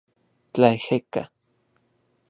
Tlaejeka.